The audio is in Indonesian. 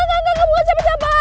engga engga bukan siapa siapa